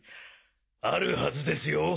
あるはずですよ